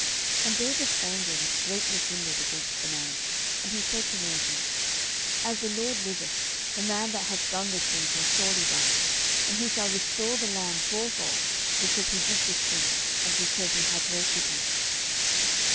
10:012:005 And David's anger was greatly kindled against the man; and he said to Nathan, As the LORD liveth, the man that hath done this thing shall surely die: 10:012:006 And he shall restore the lamb fourfold, because he did this thing, and because he had no pity.